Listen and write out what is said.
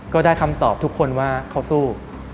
ก็ได้คำตอบทุกคนว่าเขาสู้